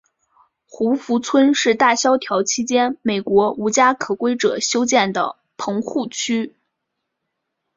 胡佛村是大萧条期间美国无家可归者修建的棚户区。